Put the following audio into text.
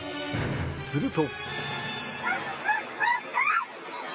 すると。